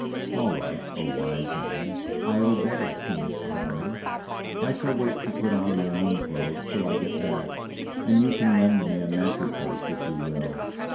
"All right, oh wise man! I obey, King Solomon! I shall wait to put on my own clothes till I get back; and you can lend me a mackie coat if you will."